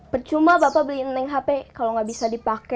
percuma bapak beliin naik hp kalau nggak bisa dipake